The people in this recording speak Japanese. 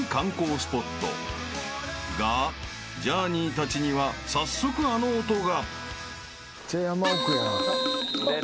［がジャーニーたちには早速あの音が］